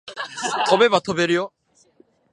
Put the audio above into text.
飛べば飛べるよ